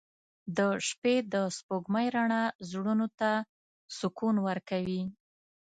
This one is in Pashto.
• د شپې د سپوږمۍ رڼا زړونو ته سکون ورکوي.